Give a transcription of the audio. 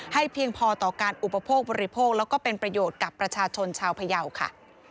เพียงพอต่อการอุปโภคบริโภคแล้วก็เป็นประโยชน์กับประชาชนชาวพยาวค่ะ